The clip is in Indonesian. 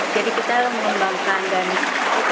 jadi kita mengembangkan dan ikan koi juga menambahkan produk